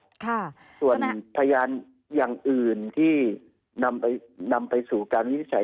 ค่ะส่วนพยานอย่างอื่นที่นำไปนำไปสู่การวินิจฉัย